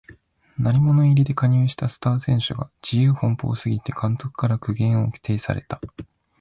鳴り物入りで加入したスター選手が自由奔放すぎて監督から苦言を呈された